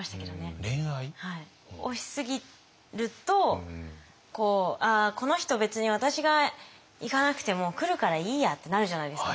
押しすぎると「この人別に私が行かなくても来るからいいや」ってなるじゃないですか。